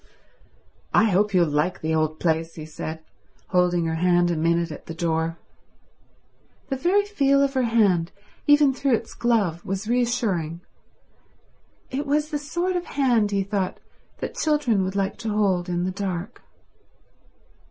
"I hope you'll like the old place," he said, holding her hand a minute at the door. The very feel of her hand, even through its glove, was reassuring; it was the sort of hand, he thought, that children would like to hold in the dark.